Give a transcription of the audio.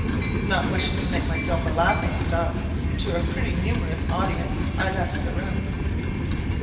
Not wishing to make myself a laughing stock, to a pretty numerous audience, I left the room.